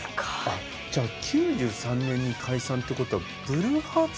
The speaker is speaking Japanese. あじゃあ９３年に解散ってことはブルーハーツより早かった。